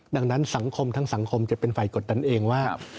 ดังนั้นสังคมทั้งสังคมจะเป็นฝ่ายกดดันเองว่า